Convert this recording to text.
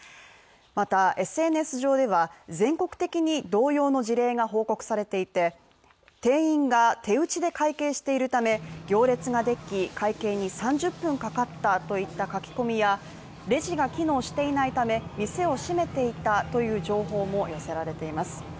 またＳＮＳ上では、全国的に同様の事例が報告されていて、店員が手打ちで会計しているため、行列ができ、会計に３０分かかったといった書き込みやレジが機能していないため、店を閉めていたという情報も寄せられています。